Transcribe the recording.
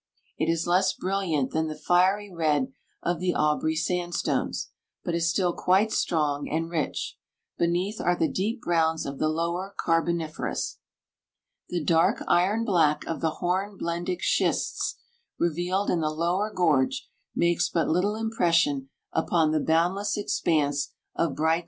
It is less brilliant than the fiery red of the Aubrey sandstones, but is still quite strong and rich. Beneath are the deep browns of the lower carboniferous. "The dark iron black of the horn blendic schists revealed in the lower gorge makes but little impression upon the boundless expanse of bright colors above."